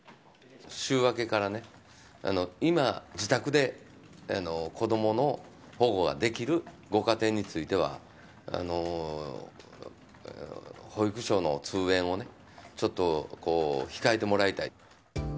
週明けからね、今、自宅で子どもの保護ができるご家庭については、保育所の通園をね、ちょっと控えてもらいたい。